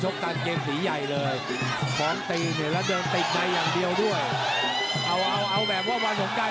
นั้นมัดขวาหมาลดก่อนขวาตีภูเยินโต้ทั้งแล้วหาวันทุ่งกลาง